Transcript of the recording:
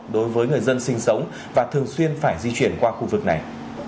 đối với người dân sinh sống và thường xuyên phải di chuyển qua khu vực này